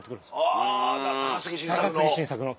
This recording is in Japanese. あぁ高杉晋作の。